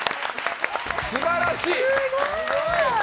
すばらしい。